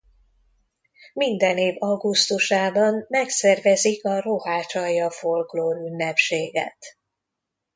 Minden év augusztusában megszervezik a Rohács-alja Folklór Ünnepséget.